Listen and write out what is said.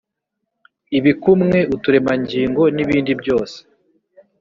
ibikumwe uturemangingo n ibindi byose